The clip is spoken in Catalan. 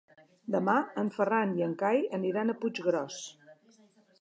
Demà en Ferran i en Cai aniran a Puiggròs.